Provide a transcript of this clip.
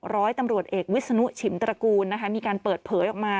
ร้อยตำรวจเอกวิศนุชิมตระกูลนะคะมีการเปิดเผยออกมา